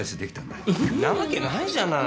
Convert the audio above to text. なわけないじゃない！